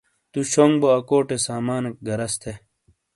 تُو شونگ بو اکوٹے سامانیک غرض تھے۔